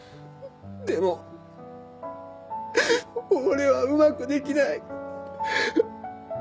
でも俺はうまくできない。